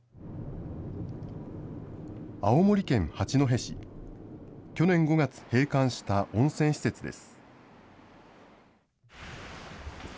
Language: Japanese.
青森県八戸市、去年５月、閉館した温泉施設です。